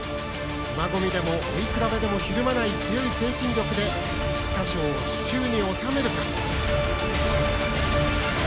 馬ごみでも、追い比べでもひるまない強い精神力で菊花賞を手中に収めるか。